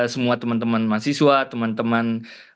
semua teman teman mahasiswa teman teman